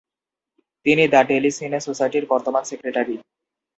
তিনি the tele cine সোসাইটির বর্তমান সেক্রেটারি।